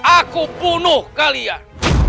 aku bunuh kalian